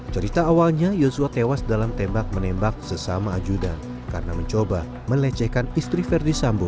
cerita awalnya yosua tewas dalam tembak menembak sesama ajudan karena mencoba melecehkan istri verdi sambo